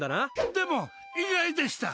でも、意外でした。